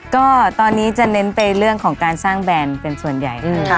ก็ตอนนี้จะเน้นไปเรื่องของการสร้างแบรนด์เป็นส่วนใหญ่